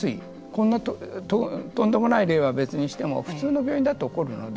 こんなとんでもない例は別にしても普通の病院だと起こるので。